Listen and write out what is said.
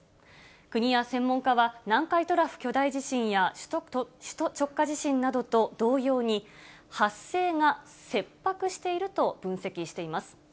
国や専門家は、南海トラフ巨大地震や首都直下地震などと同様に、発生が切迫していると分析しています。